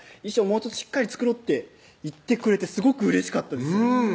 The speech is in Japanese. もうちょっとしっかり作ろう」って言ってくれてすごくうれしかったです